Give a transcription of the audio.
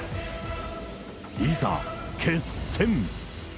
いざ、決戦。